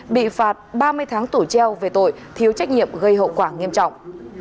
bị phạt ba mươi tháng tổ treo về tội thiếu trách nhiệm gây hậu quả nghiêm trọng